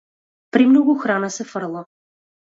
Премногу храна се фрла.